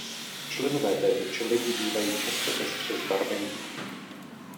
Členové této čeledi bývají často pestře zbarvení.